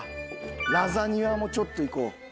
ラザニアもちょっといこう。